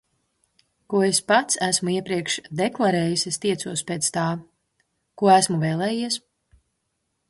Ko es pats esmu iepriekš deklarējis, es tiecos pēc tā. Ko esmu vēlējies?